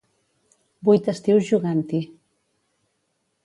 Vuit estius jugant-hi.